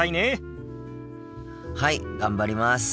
はい頑張ります！